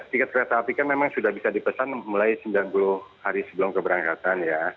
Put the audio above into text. tiket kereta api kan memang sudah bisa dipesan mulai sembilan puluh hari sebelum keberangkatan ya